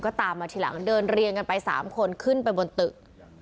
ก็ตามมาทีหลังเดินเรียงกันไป๓คนขึ้นไปบนตึก